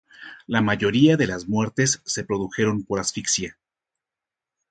La mayoría de las muertes se produjeron por asfixia.